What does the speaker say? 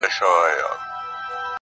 دا خو ددې لپاره.